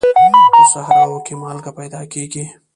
په صحراوو کې مالګه پیدا کېږي.